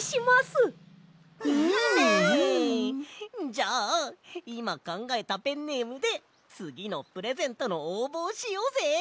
じゃあいまかんがえたペンネームでつぎのプレゼントのおうぼをしようぜ！